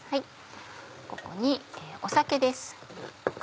ここに酒です。